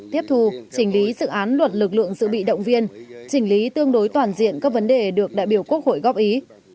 tiếp thu trình lý dự án luật lực lượng dự bị động viên chỉnh lý tương đối toàn diện các vấn đề được đại biểu quốc hội góp ý